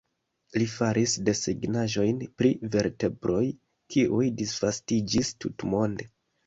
Li faris desegnaĵojn pri vertebroj, kiuj disvastiĝis tutmonde.